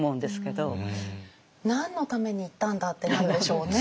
何のために行ったんだってなるでしょうね。